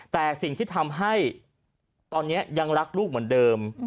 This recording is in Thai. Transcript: แต่สิ่งที่ทำให้ตอนนี้ยังรักลูกเหมือนเดิม